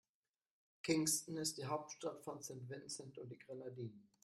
Kingstown ist die Hauptstadt von St. Vincent und die Grenadinen.